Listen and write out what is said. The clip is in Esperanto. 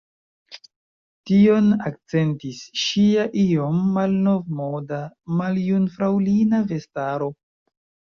Tion akcentis ŝia iom malnovmoda, maljunfraŭlina vestaro.